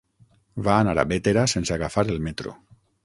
Va anar a Bétera sense agafar el metro.